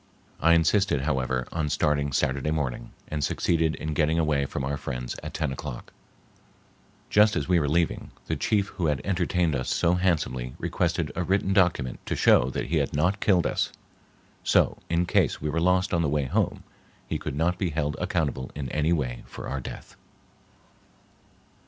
I insisted, however, on starting Saturday morning, and succeeded in getting away from our friends at ten o'clock. Just as we were leaving, the chief who had entertained us so handsomely requested a written document to show that he had not killed us, so in case we were lost on the way home he could not be held accountable in any way for our death.